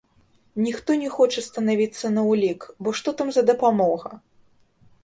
Ніхто не хоча станавіцца на ўлік, бо што там за дапамога?